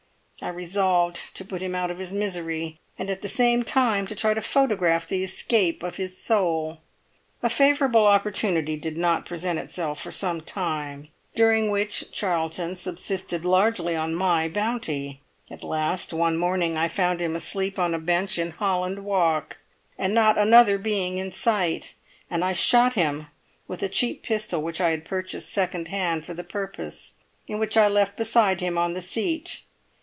I resolved to put him out of his misery, and at the same time to try to photograph the escape of his soul. A favourable opportunity did not present itself for some time, during which Charlton subsisted largely on my bounty; at last one morning I found him asleep on a bench in Holland Walk, and not another being in sight, and I shot him with a cheap pistol which I had purchased second hand for the purpose, and which I left beside him on the seat.